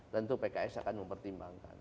tentu pks akan mempertimbangkan